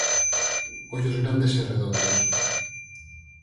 Ollos grandes e redondos.